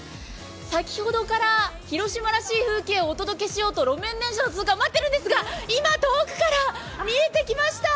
先ほどから広島らしい風景をお届けしようと路面電車の通過、待ってるんですが今、遠くから見えてきました。